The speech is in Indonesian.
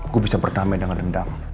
gue bisa bernama dengan dendam